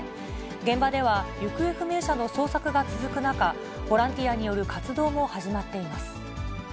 現場では行方不明者の捜索が続く中、ボランティアによる活動も始まっています。